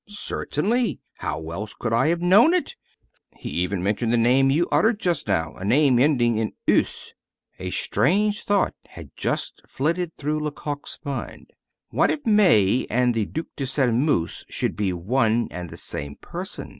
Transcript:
"Certainly; how else could I have known it! He even mentioned the name you uttered just now, a name ending in 'euse.'" A strange thought had just flitted through Lecoq's mind. "What if May and the Duc de Sairmeuse should be one and the same person?"